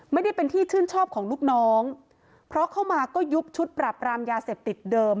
ไม่ได้เป็นที่ชื่นชอบของลูกน้องเพราะเข้ามาก็ยุบชุดปรับรามยาเสพติดเดิม